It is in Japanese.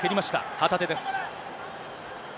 旗手です。